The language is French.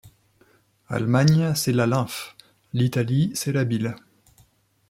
Allemagne, c’est la lymphe ; l’Italie, c’est la bile.